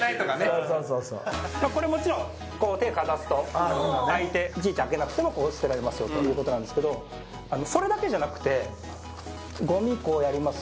そうそうそうそういちいち開けなくても捨てられますよということなんですけどそれだけじゃなくてゴミこうやります